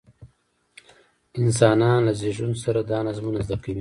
انسانان له زېږون سره دا نظمونه زده کوي.